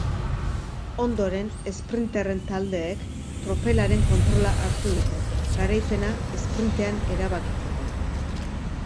Ondoren, esprinterren taldeek tropelaren kontrola hartu dute, garaipena esprintean erabakitzeko.